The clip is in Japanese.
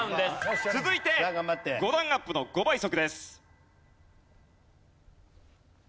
続いて５段アップの５倍速です。